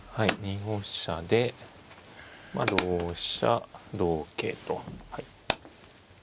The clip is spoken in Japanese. ２五飛車で同飛車同桂と。